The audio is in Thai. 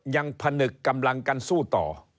ผนึกกำลังกันสู้ต่อ